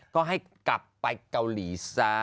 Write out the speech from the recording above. ก็ให้กลับไปเกาหลีซะ